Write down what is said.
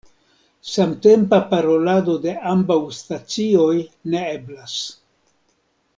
Samtempa parolado de ambaŭ stacioj ne eblas.